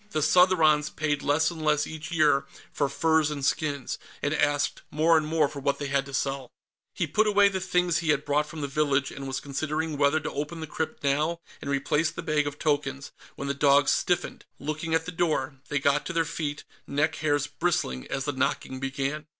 The Southrons paid less and less, each year, for furs and skins, and asked more and more for what they had to sell. He put away the things he had brought from the village, and was considering whether to open the crypt now and replace the bag of tokens, when the dogs stiffened, looking at the door. They got to their feet, neck hairs bristling, as the knocking began.